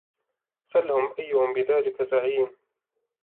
سَلْهُم أَيُّهُم بِذَلِكَ زَعِيمٌ